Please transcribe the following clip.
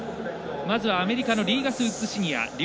まずアメリカのリーガス・ウッズシニア。